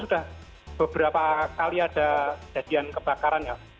sudah beberapa kali ada kebakaran